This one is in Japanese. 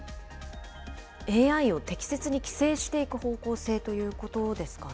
ＡＩを適切に規制していく方向性ということですかね。